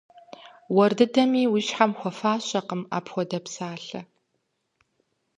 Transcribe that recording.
Уэр дыдэми уи щхьэм хуэфащэкъым апхуэдэ псалъэ.